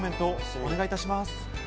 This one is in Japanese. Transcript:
お願いいたします。